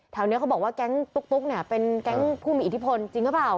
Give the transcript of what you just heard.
นี้เขาบอกว่าแก๊งตุ๊กเนี่ยเป็นแก๊งผู้มีอิทธิพลจริงหรือเปล่า